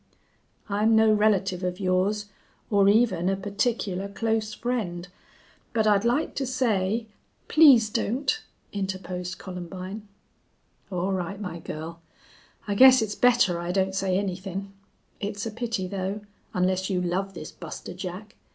I'm no relative of yours or even a particular, close friend, but I'd like to say " "Please don't," interposed Columbine. "All right, my girl. I guess it's better I don't say anythin'. It's a pity, though, onless you love this Buster Jack.